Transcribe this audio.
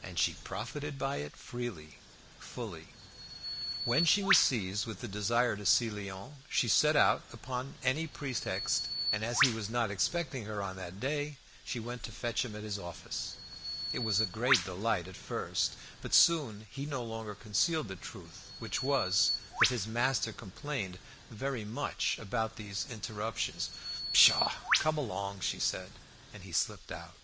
And she profited by it freely, fully. When she was seized with the desire to see Léon, she set out upon any pretext; and as he was not expecting her on that day, she went to fetch him at his office. It was a great delight at first, but soon he no longer concealed the truth, which was, that his master complained very much about these interruptions. "Pshaw! come along," she said. And he slipped out.